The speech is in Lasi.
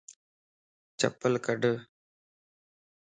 چپل ڪڊ